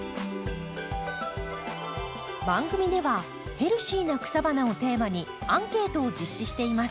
番組では「ヘルシーな草花」をテーマにアンケートを実施しています。